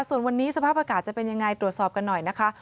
ส่วนวันนี้สภาพอากาศจะเป็นยังไงตรวจสอบกันหน่อยนะคะ